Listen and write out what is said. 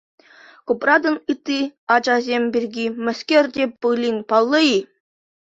Купратӑн ытти ачисем пирки мӗскер те пулин паллӑ-и?